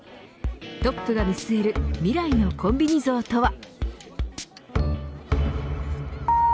トップが見据える未来のコンビニ像とは。